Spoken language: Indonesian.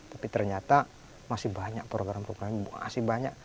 tapi ternyata masih banyak program program masih banyak